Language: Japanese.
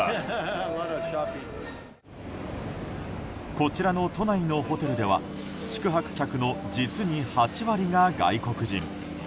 こちらの都内のホテルでは宿泊客の実に８割が外国人。